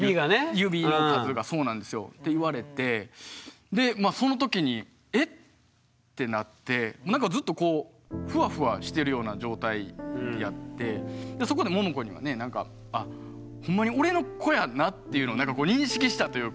指の数がそうなんですよ。って言われてでまあその時に「え？」ってなってなんかずっとこうふわふわしてるような状態やってそこでももこにはねなんかっていうのなんかこう認識したというか。